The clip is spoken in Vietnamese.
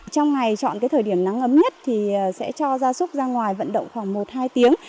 trong ngày chọn thời điểm nắng ấm nhất thì sẽ cho gia súc ra ngoài vận động khoảng một hai tiếng